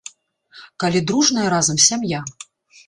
Калі дружная разам сям'я!